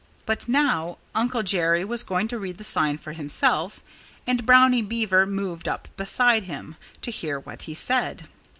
But now Uncle Jerry was going to read the sign for himself. And Brownie Beaver moved up beside him, to hear what he said.